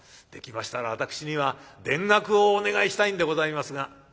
「できましたら私には田楽をお願いしたいんでございますが」。